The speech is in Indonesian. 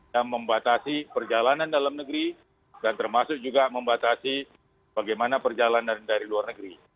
yang membatasi perjalanan dalam negeri dan termasuk juga membatasi bagaimana perjalanan dari luar negeri